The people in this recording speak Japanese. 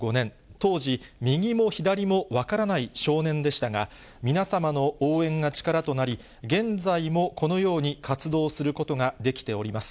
当時、右も左も分からない少年でしたが、皆様の応援が力となり、現在もこのように活動することができております。